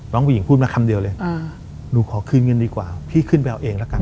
น้องผู้หญิงพูดมาคำเดียวเลยหนูขอคืนเงินดีกว่าพี่ขึ้นไปเอาเองละกัน